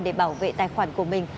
để bảo vệ tài khoản của mình